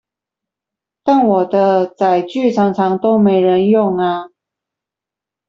但我的載具常常都沒人用啊！